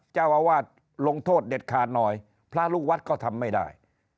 เจ้าอาวาสลงโทษเด็ดขาดหน่อยพระลูกวัดก็ทำไม่ได้